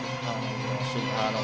mereka menghurtu pai sisa dirinya